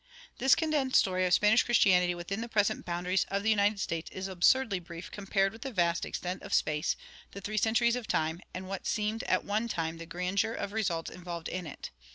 This condensed story of Spanish Christianity within the present boundaries of the United States is absurdly brief compared with the vast extent of space, the three centuries of time, and what seemed at one time the grandeur of results involved in it.